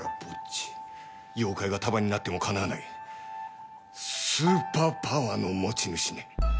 妖怪が束になってもかなわないスーパーパワーの持ち主ね。